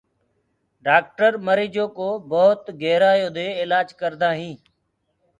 ڊآڪٿر مرجو ڪو ڀوت گهرآيو دي اِلآج ڪردآ هينٚ۔